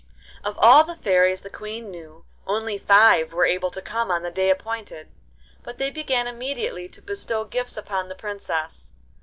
Of all the fairies the Queen knew, only five were able to come on the day appointed, but they began immediately to bestow gifts upon the Princess.